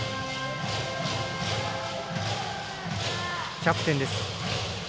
キャプテンです。